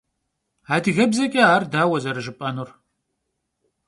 Adıgebzeç'e ar daue zerıjjıp'enur?